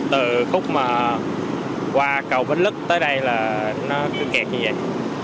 từ khúc mà qua cầu bến lức tới đây là nó cứ kẹt như vậy